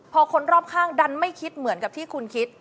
พอคนรอบข้างดันไม่คิดเหมือนกับที่คุณคิด